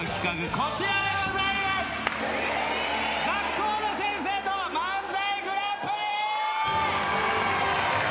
学校の先生と漫才グランプリ！